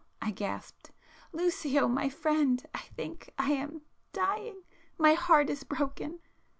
..." I gasped—"Lucio ... my friend! I think, ... I am, ... dying! My heart is broken!"